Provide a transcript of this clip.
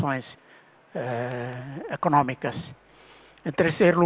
dan seumur nelle ini aku sangat pokemonih